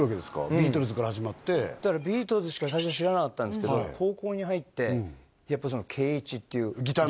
ビートルズから始まってだからビートルズしか最初知らなかったんですけど高校に入ってやっぱそのケイイチっていうギターの？